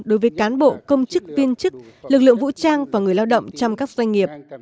đối với cán bộ công chức viên chức lực lượng vũ trang và người lao động trong các doanh nghiệp